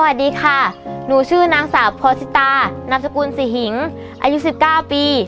สวัสดีค่ะหนูชื่อนางสาวพอสิตานามสกุลศรีหิงอายุ๑๙ปี